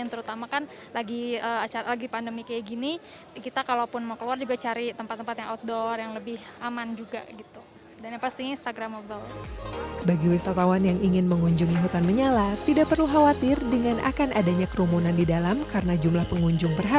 terutama kan lagi pandemi kayak gini kita kalau mau keluar juga cari tempat tempat yang outdoor yang lebih aman juga